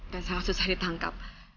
dan sangat susah ditangkap